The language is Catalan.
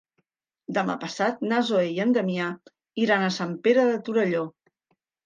Demà passat na Zoè i en Damià iran a Sant Pere de Torelló.